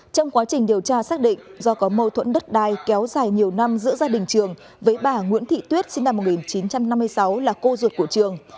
trong quá trình điều tra xác định do có mâu thuẫn đất đai kéo dài nhiều năm giữa gia đình trường với bà nguyễn thị tuyết sinh năm một nghìn chín trăm năm mươi sáu là cô ruột của trường